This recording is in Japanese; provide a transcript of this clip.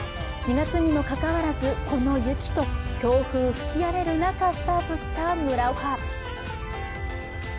４月にもかかわらず、この雪と強風吹き荒れる中スタートした村岡。